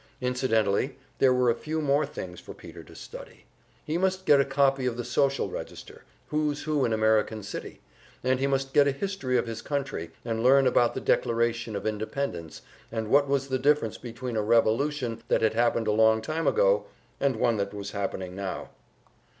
Incidentally, there were a few more things for Peter to study. He must get a copy of the social register, "Who's Who in American City," and he must get a history of his country, and learn about the Declaration of Independence, and what was the difference between a revolution that had happened a long time ago and one that was happening now.